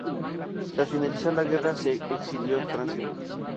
Tras finalizar la guerra se exilió en Francia.